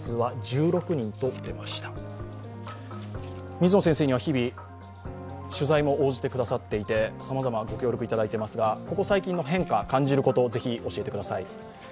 水野先生には日々取材も応じてくださっていてさまざま、ご協力いただいていますがここ最近の変化、感じること、ぜひ教えてください。